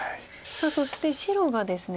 さあそして白がですね